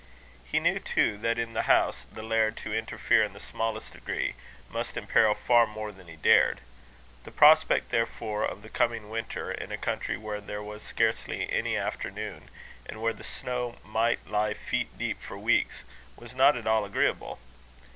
He knew, too, that, in the house, the laird, to interfere in the smallest degree, must imperil far more than he dared. The prospect, therefore, of the coming winter, in a country where there was scarcely any afternoon, and where the snow might lie feet deep for weeks, was not at all agreeable.